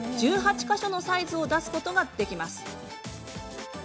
１８か所のサイズを出すことができます。